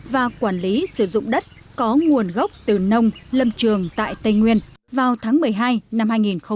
và quản lý sử dụng đất có nguồn gốc từ nông lâm trường tại tây nguyên vào tháng một mươi hai năm hai nghìn một mươi tám